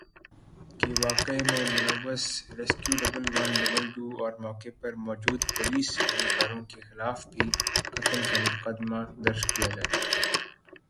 کہ واقعہ میں ملوث rescue double one double two اور موقع پر موجود پولیس اہلکاروں کے خلاف بھی قتل کا مقدمہ درج کیا جائے